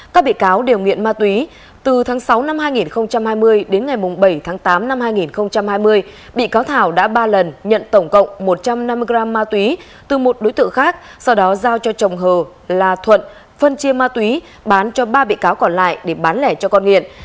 các bị cáo đều nghiện ma túy từ tháng sáu năm hai nghìn hai mươi đến ngày bảy tháng tám năm hai nghìn hai mươi bị cáo thảo đã ba lần nhận tổng cộng một trăm năm mươi gram ma túy từ một đối tượng khác sau đó giao cho chồng hờ là thuận phân chia ma túy bán cho ba bị cáo còn lại để bán lẻ cho con nghiện